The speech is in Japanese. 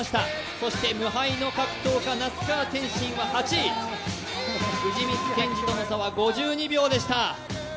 そして無敗の格闘家、那須川天心は８位、藤光謙司との差は５２秒でした。